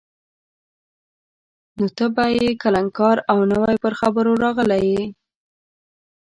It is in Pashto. نو ته به کلنکار او نوی پر خبرو راغلی یې.